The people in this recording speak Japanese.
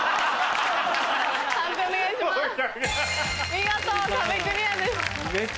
見事壁クリアです。